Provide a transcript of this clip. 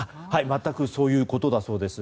全くそういうことだそうです。